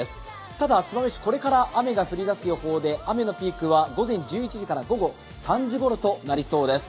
ただ、燕市これから雨が降り出す予報で雨のピークは午前１１時から午後３時ごろとなりそうです。